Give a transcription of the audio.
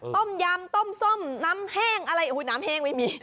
ต้มยำต้มส้มน้ำแห้งอะไรน้ำแห้งไม่มี